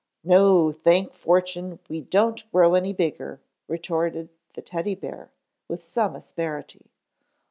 "No, thank fortune, we don't grow any bigger," retorted the Teddy bear, with some asperity.